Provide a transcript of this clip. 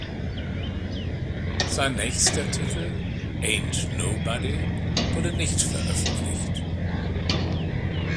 Sein nächster Titel "Ain’t Nobody" wurde nicht veröffentlicht.